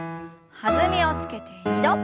弾みをつけて２度。